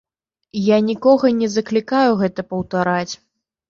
Я нікога не заклікаю гэта паўтараць.